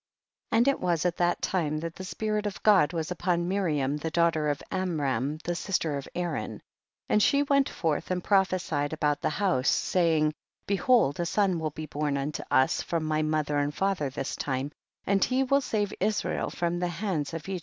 And it was at that time the spirit of God was upon Miriam the daugh ter of Amram the sister of Aaron, and she went forth and propiiccied about the house, saying, behold a son will be born unto us from my father and mother this time, and he will save Israel from the hands of 2.